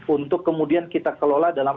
untuk kemudian kita kelola dalam